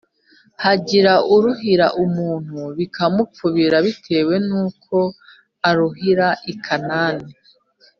hagira uruhira umuntu bikamupfubira bitewe n'uko aruhira ikinani